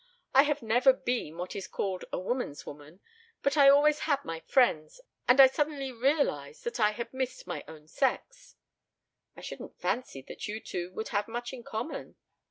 I have never been what is called a woman's woman, but I always had my friends, and I suddenly realized that I had missed my own sex." "I shouldn't fancy that you two would have much in common."